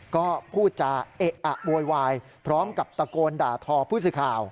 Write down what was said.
ก็พูดจาเอ๊ะอะโบยวายพร้อมกับตะโกนด่าทอพฤศิษฐา